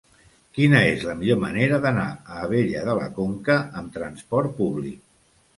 Quina és la millor manera d'anar a Abella de la Conca amb trasport públic?